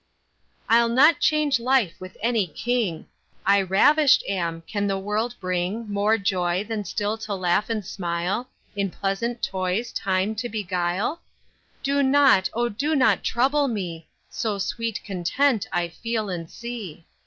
I'll not change life with any king, I ravisht am: can the world bring More joy, than still to laugh and smile, In pleasant toys time to beguile? Do not, O do not trouble me, So sweet content I feel and see.